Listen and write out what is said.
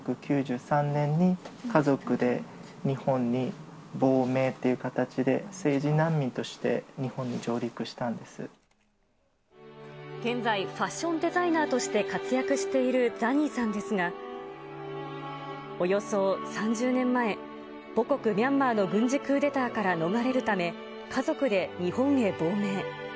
１９９３年に家族で日本に亡命という形で、政治難民として日本に現在、ファッションデザイナーとして活躍しているザニーさんですが、およそ３０年前、母国ミャンマーの軍事クーデターから逃れるため、家族で日本へ亡命。